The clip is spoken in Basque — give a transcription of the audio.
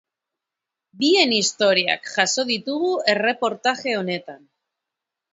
Bien historiak jaso ditugu erreportaje honetan.